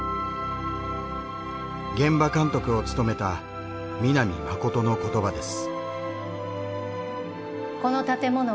現場監督を務めた南信の言葉です。